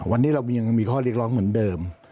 วันนี้เรายังมีข้อเรียกร้องเหมือนเดิม